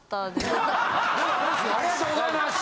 ありがとうございます！